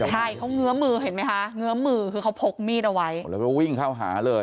ใช่เขาเงื้อมือเห็นไหมคะเงื้อมือคือเขาพกมีดเอาไว้